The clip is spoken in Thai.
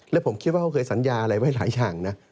แล้วผมคิดว่าเขาเคยสัญญาอะไรไว้หลายอย่างนะ